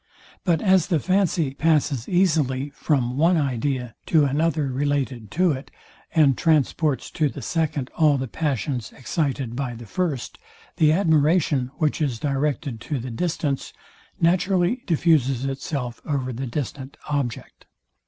But as the fancy passes easily from one idea to another related to it, and transports to the second all the passions excited by the first, the admiration, which is directed to the distance, naturally diffuses itself over the distant object.